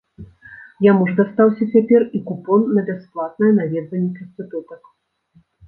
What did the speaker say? Яму ж дастаўся цяпер і купон на бясплатнае наведванне прастытутак.